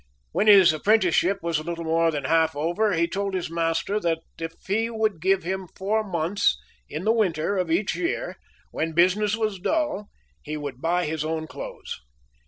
When his apprenticeship was a little more than half over, he told his master that if he would give him four months in the winter of each year, when business was dull, he would buy his own clothes.